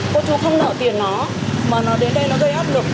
cô chú không nợ tiền nó mà nó đến đây nó gây áp lực